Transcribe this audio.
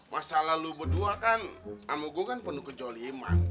masalah lo berdua kan ama gua kan penuh kejoliman